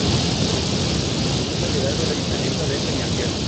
Es propiedad del Ayuntamiento de Peñafiel.